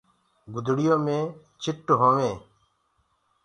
گُدڙيو مي چٽ هووينٚ